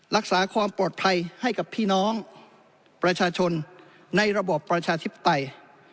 รักษาความปลอดภัยให้กับพี่น้องประชาชนในระบบประชาธิปไตย